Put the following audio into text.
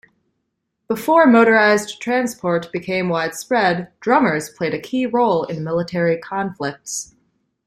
Before motorized transport became widespread, drummers played a key role in military conflicts.